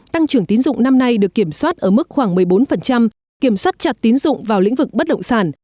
tăng trưởng tín dụng năm nay được kiểm soát ở mức khoảng một mươi bốn kiểm soát chặt tín dụng vào lĩnh vực bất động sản